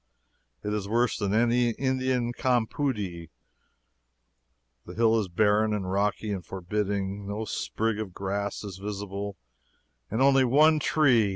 It is worse than any Indian 'campoodie'. The hill is barren, rocky, and forbidding. No sprig of grass is visible, and only one tree.